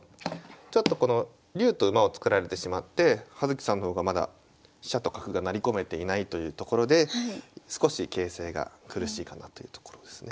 ちょっとこの竜と馬を作られてしまって葉月さんの方がまだ飛車と角が成り込めていないというところで少し形勢が苦しいかなというところですね。